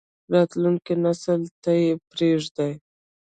راتلونکی نسل ته یې پریږدئ